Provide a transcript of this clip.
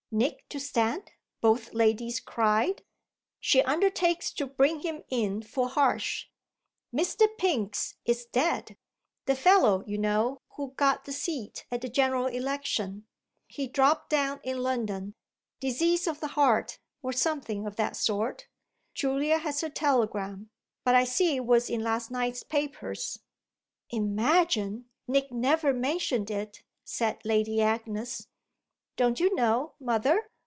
"Nick to stand?" both ladies cried. "She undertakes to bring him in for Harsh. Mr. Pinks is dead the fellow, you know, who got the seat at the general election. He dropped down in London disease of the heart or something of that sort. Julia has her telegram, but I see it was in last night's papers." "Imagine Nick never mentioned it!" said Lady Agnes. "Don't you know, mother?